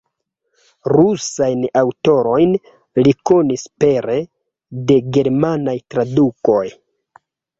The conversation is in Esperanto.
Rusajn aŭtorojn li konis pere de germanaj tradukoj.